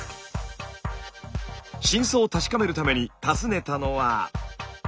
真相を確かめるために訪ねたのは。